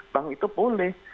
bank itu boleh